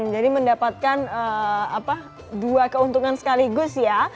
mendapatkan dua keuntungan sekaligus ya